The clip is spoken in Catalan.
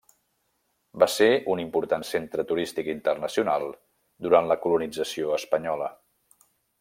Va ser un important centre turístic internacional durant la colonització espanyola.